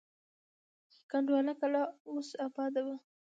کنډواله کلا اوس اباده وه.